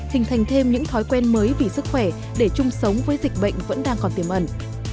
hình thành thêm những thói quen mới vì sức khỏe để chung sống với dịch bệnh vẫn đang còn tiềm ẩn